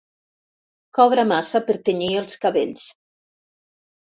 Cobra massa per tenyir els cabells.